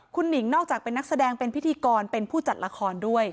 คุณหนิงนอกจากเป็นนักแสดงเป็นพิธีกรเป็นผู้จัดละครด้วย